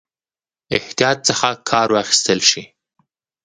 احتیاط څخه کار واخیستل شي.